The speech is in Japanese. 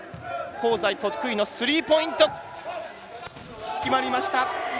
香西スリーポイント、決まりました！